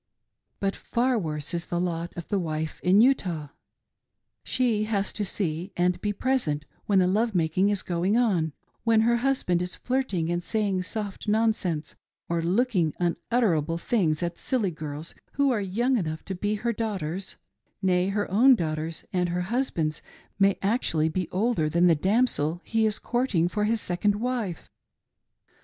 But far worse is the lot of the wife in Utah. She has to see and be present when the love making is going on, when her husband is flirting and saying soft nonsense, or looking unutterable things at silly girls who are young enough to be her daughters ;— nay, her own daughters and her hus band's may actually be older than the damsel he is courting ilATHER OLD "BOYS." 383 fpr his second wife